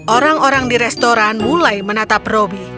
orang orang di restoran mulai menatap roby